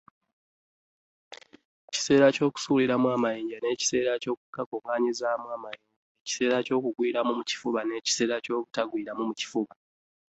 Ekiseera eky'okusuuliramu amayinja, n'ekiseera eky'okukugnaanyizaamu amayinja. Ekiseera eky'okugwiramu mu kifuba, n'ekiseera eky'obutagwiramu mu kifuba.